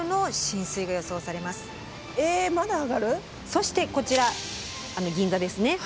そしてこちら銀座ですね。